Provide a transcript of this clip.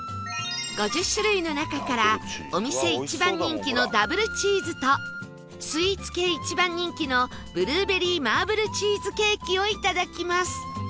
５０種類の中からお店一番人気の Ｗ チーズとスイーツ系一番人気のブルーベリーマーブルチーズケーキをいただきます